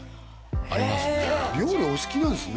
ありますね